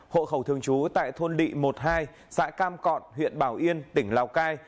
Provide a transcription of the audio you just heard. hộ khẩu thường chú tại thôn lị một mươi hai xã cam cọt huyện bảo yên tỉnh lào cai